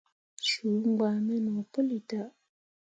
Suu gbǝ̃ǝ̃ me no puli tah.